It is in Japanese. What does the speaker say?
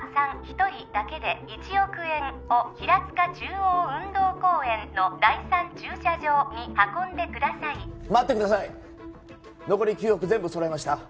一人だけで１億円を平塚中央運動公園の第３駐車場に運んでください待ってください残り９億全部揃えました